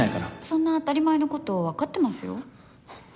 そんな当たり前の事わかってますよ。